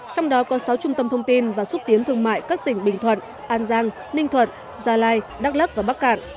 trong đó có sáu trung tâm thông tin và xúc tiến thương mại các tỉnh bình thuận an giang ninh thuận gia lai đắk lắc và bắc cạn